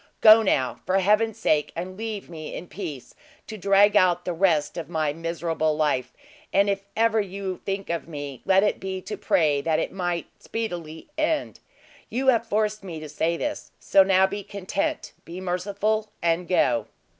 Go now, for Heaven's sake, and leave me in peace, to drag out the rest of my miserable life; and if ever you think of me, let it be to pray that it might speedily end. You have forced me to say this: so now be content. Be merciful, and go!"